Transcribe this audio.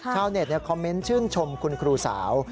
ชาวเน็ตคอมเมนต์ชื่นชมคุณครูสาว